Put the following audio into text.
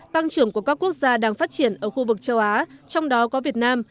tăng trưởng của các quốc gia đang phát triển ở khu vực châu á trong đó có việt nam